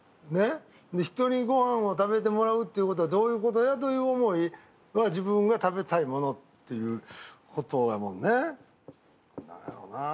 人に御飯を食べてもらうというのはどういうことやという思いは自分が食べたいものっていうことやもんね。